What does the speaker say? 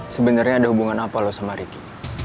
sebenernya ada hubungan apa lo sama ricky